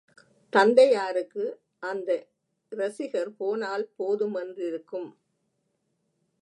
தந்தையாருக்கு அந்த இரசிகர் போனால் போதுமென்றிருக்கும்.